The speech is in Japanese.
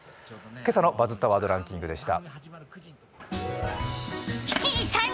今朝の「バズったワードランキング」でした。